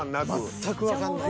全くわかんない。